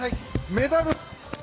メダル！